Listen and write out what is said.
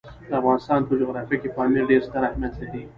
د افغانستان په جغرافیه کې پامیر ډېر ستر اهمیت لري.